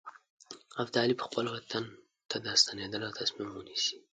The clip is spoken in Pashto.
ابدالي به خپل وطن ته د ستنېدلو تصمیم ونیسي.